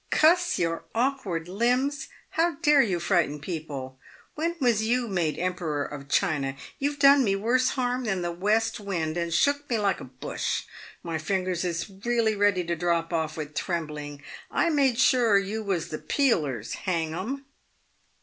" Cuss your awkard limbs ! how dare you frighten people ? When was you made Emperor of China ? You've done me worse harm than the west wind, and shook me like a bush. My fingers is really ready to drop oft* with trembling. I made sure you was the Peelers, hang 'em."